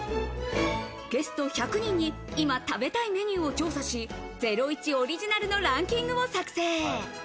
ゲスト１００人に今食べたいメニューを調査し、『ゼロイチ』オリジナルのランキングを作成。